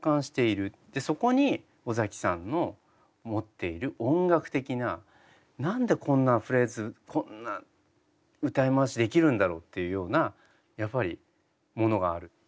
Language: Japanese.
そこに尾崎さんの持っている音楽的な「何でこんなフレーズこんな歌い回しできるんだろう」っていうようなやっぱりものがある。